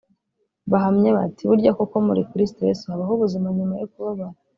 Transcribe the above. bahamye bati “Burya koko muri Kristo Yesu habaho ubuzima nyuma yo kubabara